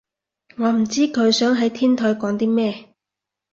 我唔知佢想喺天台講啲咩